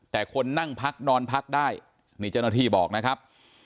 แต่คนนั่งพักนอนพักได้นี่เจ้าหน้าที่บอกนะครับ